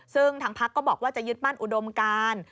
ซึ่งทางพักก็บอกว่าจะยึดมั่นอุดมการ